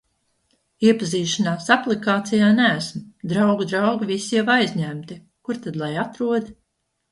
Iepazīšanās aplikācijā neesmu, draugu draugi visi jau aizņemti, kur tad lai atrod?